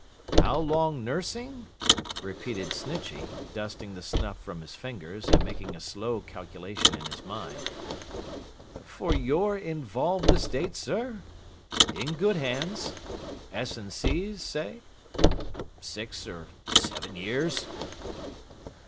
'How long nursing?' repeated Snitchey, dusting the snuff from his fingers, and making a slow calculation in his mind. 'For your involved estate, sir? In good hands? S. and C.'s, say? Six or seven years.